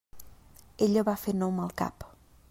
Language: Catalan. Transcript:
Ella va fer que no amb el cap.